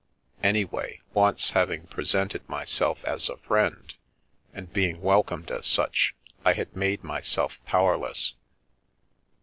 Anyway, once having presented myself as a friend, and being welcomed as such, I had made my self powerless.